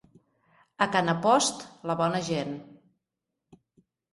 A Canapost, la bona gent.